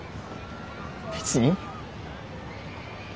別に。